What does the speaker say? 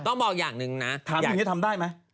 ต้องบอกอย่างหนึ่งนะทำอย่างนี้ทำได้ไหม